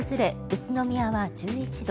宇都宮は１１度。